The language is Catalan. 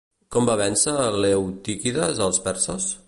Com va vèncer Leotíquides als perses?